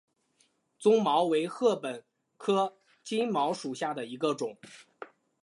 棕茅为禾本科金茅属下的一个种。